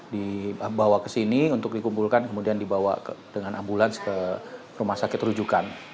dibawa ke sini untuk dikumpulkan kemudian dibawa dengan ambulans ke rumah sakit rujukan